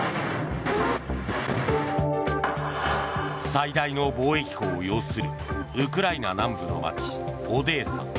最大の貿易港を擁するウクライナ南部の街オデーサ。